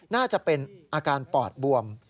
น่าจะเป็นอาการปอดบวม